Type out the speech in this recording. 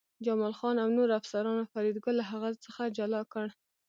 جمال خان او نورو افسرانو فریدګل له هغه څخه جلا کړ